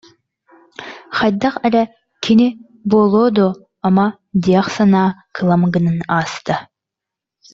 Хайдах эрэ «кини» буолуо дуо, ама, диэх санаа кылам гынан ааста